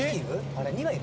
あれ。